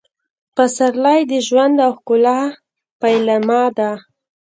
پسرلی د ژوند او ښکلا پیلامه ده.